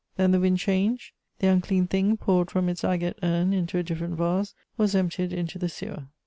Then the wind changed: the unclean thing, poured from its agate urn into a different vase, was emptied into the sewer.